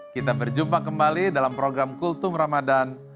kita berjumpa kembali dalam program kultum ramadhan